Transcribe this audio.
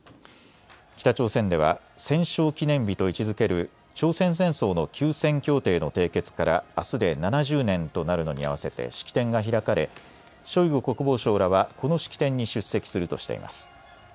北朝鮮では戦勝記念日と位置づける朝鮮戦争の休戦協定の締結からあすで７０年となるのに合わせて式典が開かれショイグ国防相らはこの式典に出席するとしています。